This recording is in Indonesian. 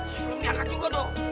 belum diangkat juga noh